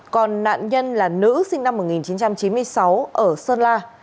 còn nạn nhân là nữ sinh năm một nghìn chín trăm chín mươi sáu ở sơn la